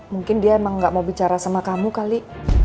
mungkin dia emang gak mau bicara sama kamu kali